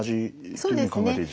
そうですねはい。